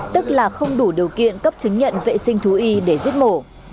tức là không đủ điều kiện cấp chứng nhận vệ sinh thú y để giết mổ